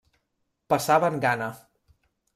Passaven gana.